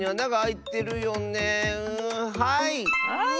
はい！